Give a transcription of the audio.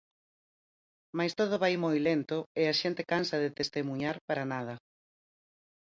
Mais todo vai moi lento, e a xente cansa de testemuñar para nada.